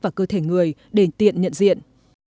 vào cơ thể người để tiện nhận diện